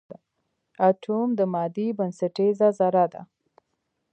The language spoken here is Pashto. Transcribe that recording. اټوم د مادې بنسټیزه ذره ده.